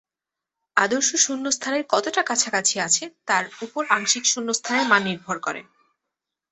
আদর্শ শূন্যস্থানের কতটা কাছাকাছি আছে তার উপর আংশিক শূন্যস্থানের মান নির্ভর করে।